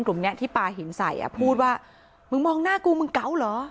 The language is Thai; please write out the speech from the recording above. กลุ่มนี้ที่ปลาหินใส่อ่ะพูดว่ามึงมองหน้ากูมึงเกาเหรอ